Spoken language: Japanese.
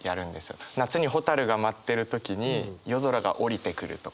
夏にホタルが舞ってる時に夜空が降りてくるとか。